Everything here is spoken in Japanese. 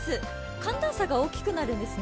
寒暖差が大きくなるんですね。